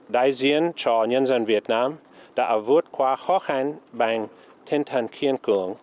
đại diện cho nhân dân việt nam đã vượt qua khó khăn bằng thiên thần kiên cường